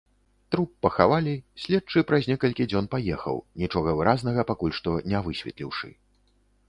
Труп пахавалі, следчы праз некалькі дзён паехаў, нічога выразнага пакуль што не высветліўшы.